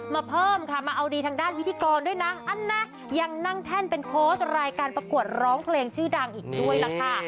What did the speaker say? มาเพิ่มค่ะมาเอาดีทางด้านพิธีกรด้วยนะอันนะยังนั่งแท่นเป็นโพสต์รายการประกวดร้องเพลงชื่อดังอีกด้วยล่ะค่ะ